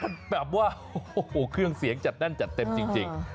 มาแบบว่าเครื่องเสียงจัดตั้นจัดเต็มจริง